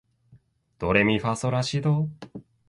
ドレミファソラシド